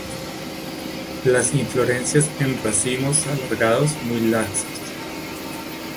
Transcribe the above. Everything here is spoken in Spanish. Las inflorescencias en racimos alargados, muy laxos.